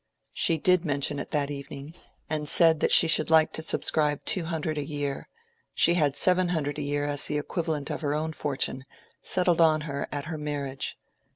She did mention it that evening, and said that she should like to subscribe two hundred a year—she had seven hundred a year as the equivalent of her own fortune, settled on her at her marriage.